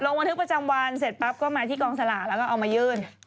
ลงบันทึกประจำวันเสร็จปั๊บก็มาที่กองสลากแล้วก็เอามายื่น